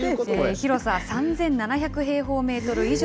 広さ３７００平方メートル以上。